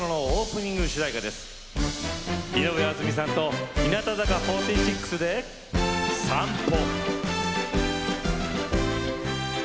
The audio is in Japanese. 井上あずみさんと日向坂４６で「さんぽ」。